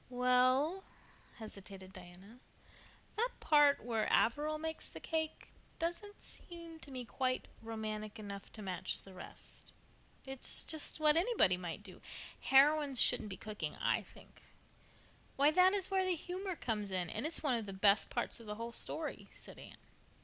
"Well," hesitated Diana, "that part where Averil makes the cake doesn't seem to me quite romantic enough to match the rest. It's just what anybody might do. Heroines shouldn't do cooking, I think." "Why, that is where the humor comes in, and it's one of the best parts of the whole story," said Anne.